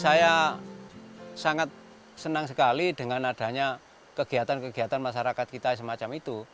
saya sangat senang sekali dengan adanya kegiatan kegiatan masyarakat kita semacam itu